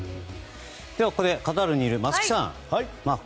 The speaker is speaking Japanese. ではここでカタールにいる松木さん。